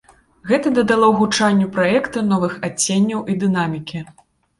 Гэта дадало гучанню праекта новых адценняў і дынамікі.